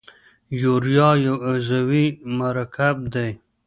یوریا یو عضوي مرکب دی.